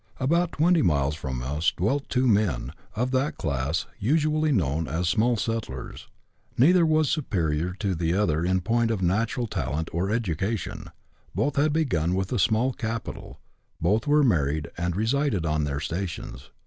About twenty miles from us dwelt two men, of that class usually known as small settlers. Neither was superior to the other in point of natural talent or education. Both had begun with a small capital, both were married and resided on their stations.